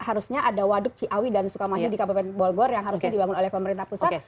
harusnya ada waduk ciawi dan sukamahi di kabupaten bogor yang harusnya dibangun oleh pemerintah pusat